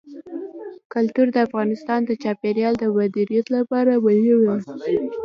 کلتور د افغانستان د چاپیریال د مدیریت لپاره مهم دي.